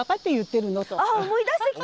あっ思い出してきた！